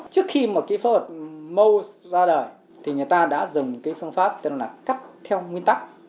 trước khi mà cái phương pháp mose ra đời thì người ta đã dùng cái phương pháp tên là cắt theo nguyên tắc